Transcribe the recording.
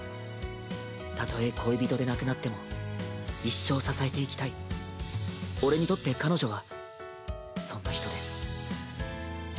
たとえ恋人でなくなっても一生支えていきたい俺にとって彼女はそんな人です。